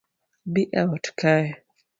Bi eot kae